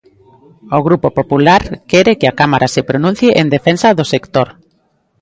O Grupo Popular quere que a cámara se pronuncie en defensa do sector.